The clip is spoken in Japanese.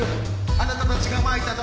あなたたちが蒔いた種